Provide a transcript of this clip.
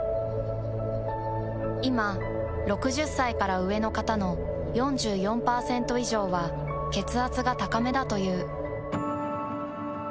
いま６０歳から上の方の４４％以上は血圧が高めだという。